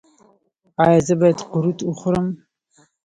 ایا زه باید قروت وخورم؟